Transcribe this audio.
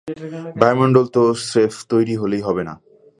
বায়ুমন্ডল তো স্রেফ তৈরী হলেই হবে না।